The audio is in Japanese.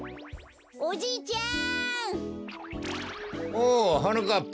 おおはなかっぱ。